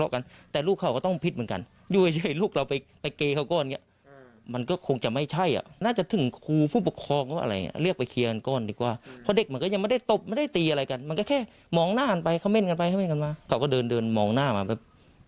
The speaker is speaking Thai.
เขาไม่ค่อยกลัวใครมองหน้าแบบ